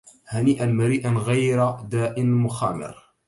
هنيئا مريئا غير داء مخامر